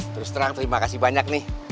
terus terang terima kasih banyak nih